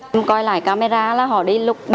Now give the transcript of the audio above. tôi coi lại camera là họ đi lục ba